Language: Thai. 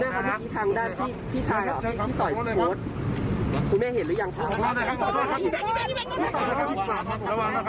กับลูกสาวคุณแม่ต้องคุย